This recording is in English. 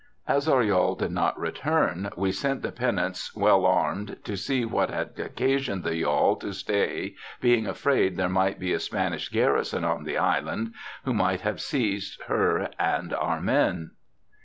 As our yawl did not return, we sent the pinnance well armed to see what had occasioned the yawl to stay, being afraid there might be a Spanish garrison on the island, who THOMAS DOVER 23 might have seized her and our men.